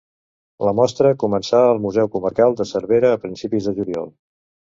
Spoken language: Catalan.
La mostra començà al Museu comarcal de Cervera a principis de juliol.